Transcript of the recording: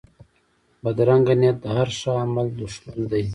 بدرنګه نیت د هر ښه عمل دشمن دی